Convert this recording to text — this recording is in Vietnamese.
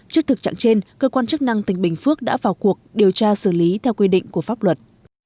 trước thực trạng trên cơ quan chức năng tỉnh bình phước đã vào cuộc điều tra xử lý theo quy định của pháp luật